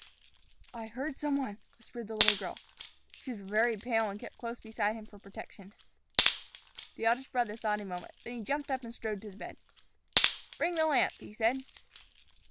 "I heard some one," whispered the little girl. She was very pale, and kept close beside him for protection. The eldest brother thought a moment. Then he jumped up and strode over to the bed. "Bring the lamp," he said.